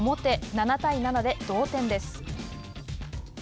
７対７で同点です。